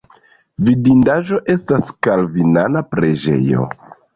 Vidindaĵo estas kalvinana preĝejo.